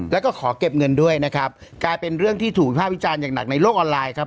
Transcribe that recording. แล้วก็ขอเก็บเงินด้วยนะครับกลายเป็นเรื่องที่ถูกวิภาควิจารณ์อย่างหนักในโลกออนไลน์ครับ